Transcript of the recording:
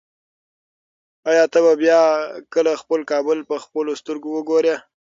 ایا ته به بیا کله خپل کابل په خپلو سترګو وګورې؟